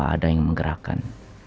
ada yang menggerakkan